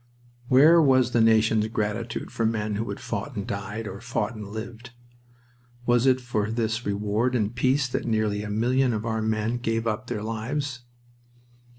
Where was the nation's gratitude for the men who had fought and died, or fought and lived? Was it for this reward in peace that nearly a million of our men gave up their lives?